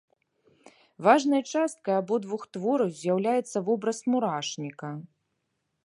Важнай часткай абодвух твораў з'яўляецца вобраз мурашніка.